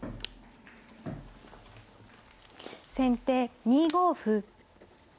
先手２五歩。